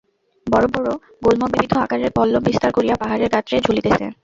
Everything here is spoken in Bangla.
বড়ো বড়ো গুল্ম বিবিধ আকারের পল্লব বিস্তার করিয়া পাহাড়ের গাত্রে ঝুলিতেছে।